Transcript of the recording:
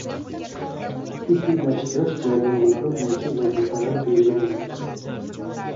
Xususiylashtirish jarayonlari bo‘yicha vazifalar belgilanding